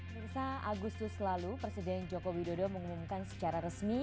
mirsa agustus lalu presiden joko widodo mengumumkan secara resmi